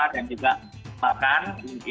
dan juga makan